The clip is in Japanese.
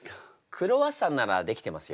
クロワッサンなら出来てますよ。